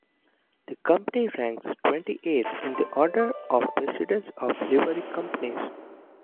The Company ranks twenty-eighth in the order of precedence of Livery Companies.